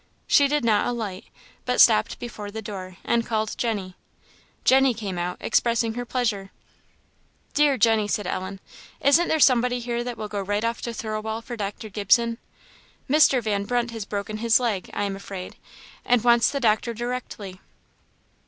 She did not alight, but stopped before the door, and called Jenny. Jenny came out, expressing her pleasure. "Dear Jenny," said Ellen "isn't there somebody here that will go right off to Thirlwall for Dr. Gibson? Mr. Van Brunt has broken his leg, I am afraid, and wants the doctor directly."